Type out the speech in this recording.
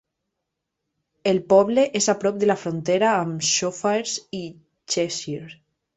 El poble és a prop de la frontera amb Shropshire i Cheshire.